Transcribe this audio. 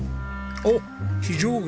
あっ非常口！